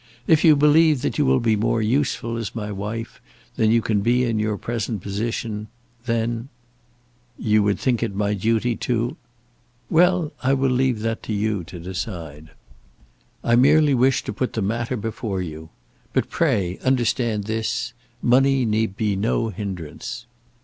If you believe that you will be more useful as my wife than you can be in your present position, then " "You think it would be my duty to " "Well, I will leave that for you to decide. I merely wish to put the matter before you. But, pray, understand this; money need be no hindrance."